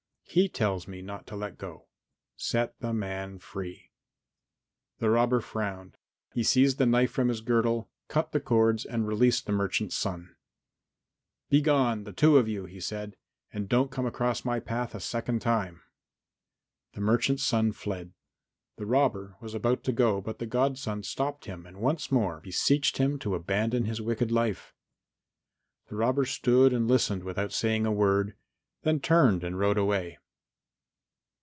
He tells me not to let go. Set the man free." The robber frowned; he seized the knife from his girdle, cut the cords and released the merchant's son. "Be gone, the two of you!" he said, "and don't come across my path a second time!" The merchant's son fled. The robber was about to go, but the godson stopped him and once more beseeched him to abandon his wicked life. The robber stood and listened without saying a word, then turned and rode away.